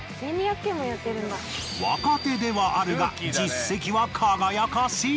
若手ではあるが実績は輝かしい！